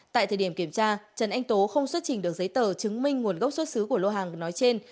tại thời điểm kiểm tra trần anh tú không xuất trình được giấy tờ chứng minh nguồn gốc xuất xứ của lô hàng nói trên